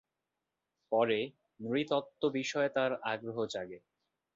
পরে নৃতত্ত্ব বিষয়ে তার আগ্রহ জাগে।